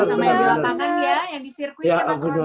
sama yang di lapangan ya